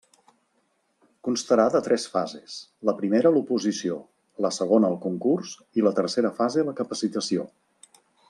Constarà de tres fases: la primera l'oposició; la segona el concurs i la tercera fase la capacitació.